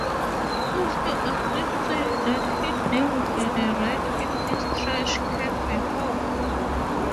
Oscar agreed saying that he'd never had a rat in his trash can before.